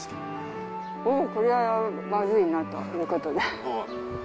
おう、これはまずいなということで。